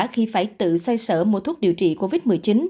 khi phải tự xây sở mua thuốc điều trị covid một mươi chín